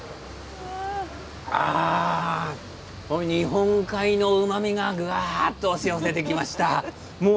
日本海のうまみがぐわっと押し寄せてきました。